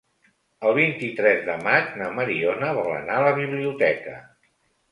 El vint-i-tres de maig na Mariona vol anar a la biblioteca.